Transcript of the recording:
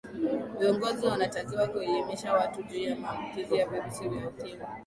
viongozi wanatakiwa kuelimisha watu juu ya maambukizi ya virusi vya ukimwi